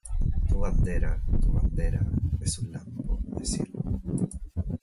Tu bandera, tu bandera es un lampo de cielo